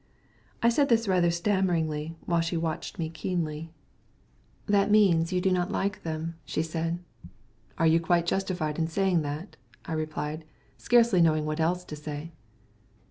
I said this rather stammeringly, while she watched me keenly. "That means that you do not like them," she said. "Are you quite justified in saying that?" I replied, scarcely knowing what else to say.